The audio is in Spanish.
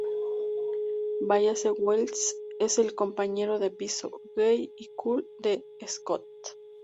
Wallace Wells es el compañero de piso "gay" y "cool" de Scott.